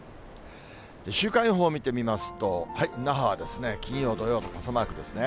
週間予報見てみますと、那覇は金曜、土曜と傘マークですね。